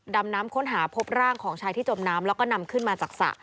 ดำน้ำค้นหาพบร่างของชายที่จมน้ำแล้วก็นำขึ้นมาจากสระ